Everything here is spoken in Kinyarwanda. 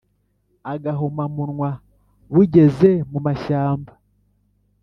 agahomamunwa bugeze mu mashyamba